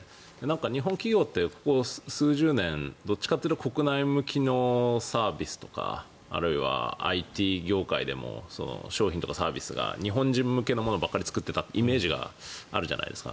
日本企業ってここ数十年、どっちかというと国内向けのサービスとかあるいはＩＴ業界でも商品とかサービスが日本人向けのものばっかり作っていたイメージがあるじゃないですか。